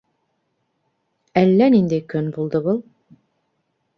Әллә ниндәй көн булды был.